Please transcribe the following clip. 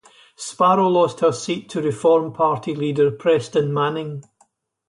Sparrow lost her seat to Reform Party leader Preston Manning.